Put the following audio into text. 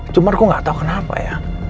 cuman gue nggak tahu kenapa ya